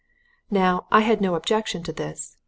"Now, I had no objection to this.